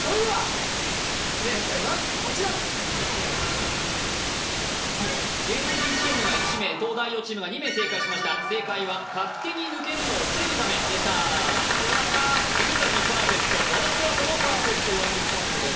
それでは正解はこちら芸能人チームが１名東大王チームが２名正解しました正解は勝手に抜けるのを防ぐためでした鶴崎パーフェクト和田空大もパーフェクト４０ポイントです